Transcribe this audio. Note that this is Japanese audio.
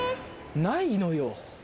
ないのよ。